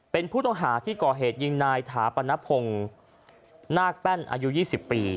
เป็นผู้ต้องหาที่ก่อเหตุยิงนายถาปนพงศ์นาคแป้นอายุ๒๐ปี